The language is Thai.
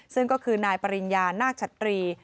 ซึ่งก็คือนายปริญญานาคชัตรี